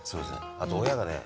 あと親がね